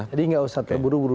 jadi nggak usah terburu buru